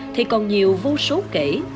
thì còn nhiều vô số kể